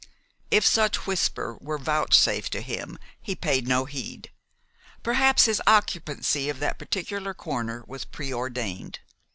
If such whisper were vouchsafed to him he paid no heed. Perhaps his occupancy of that particular corner was preordained.